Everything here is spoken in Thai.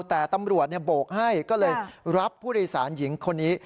แต่ตำรวจโบกให้ก็เลยรับผู้โดยสารหญิงคนนี้